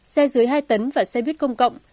xe dưới hai tấn và xe buýt công cộng